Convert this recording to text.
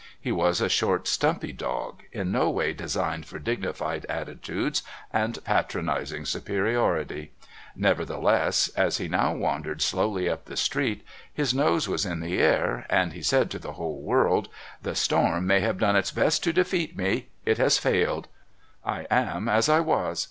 He was a short stumpy dog, in no way designed for dignified attitudes and patronising superiority; nevertheless, as he now wandered slowly up the street, his nose was in the air and he said to the whole world: "The storm may have done its best to defeat me it has failed. I am as I was.